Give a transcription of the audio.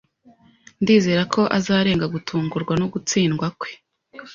Ndizera ko azarenga gutungurwa no gutsindwa kwe.